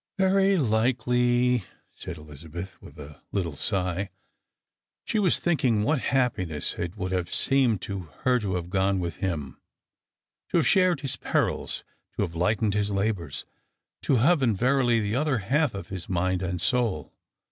" Very likely," said Elizabeth, with a little sigh. She was thinking what happiness it would have seemed to her to have gone with him ; to have shared his perils, to have lightened his labours, to have been verily the other half of hia mind and soul.